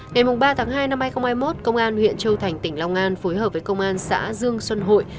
ngày ba tháng hai năm hai nghìn hai mươi một công an huyện châu thành tỉnh long an phối hợp với công an xã dương xuân hội